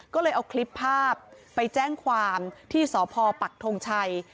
ก็เลยเอาคลิปภาพไปแจ้งความที่สพปักทงชัย